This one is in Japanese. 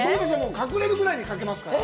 隠れるぐらいにかけますから。